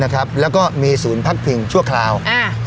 แล้วก็มีศูนย์พักพิงชั่วคราว